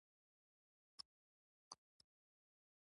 یوساعت مې درته خبرې وکړې، په یوه هم پوی نشوې سم دېوال یې.